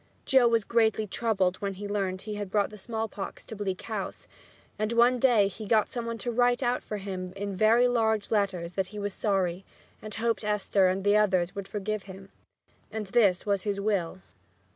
Joe was greatly troubled when he learned he had brought the smallpox to Bleak House, and one day he got some one to write out for him in very large letters that he was sorry and hoped Esther and all the others would forgive him. And this was his will.